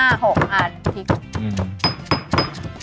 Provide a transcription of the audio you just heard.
โอ้โฮอ่ะพริก